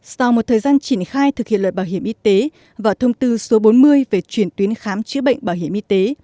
sau một thời gian triển khai thực hiện luật bảo hiểm y tế và thông tư số bốn mươi về chuyển tuyến khám chữa bệnh bảo hiểm y tế